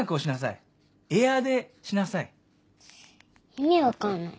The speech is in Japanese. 意味分かんない。